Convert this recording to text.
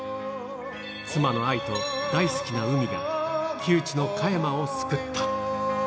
妻の愛と大好きな海が、窮地の加山を救った。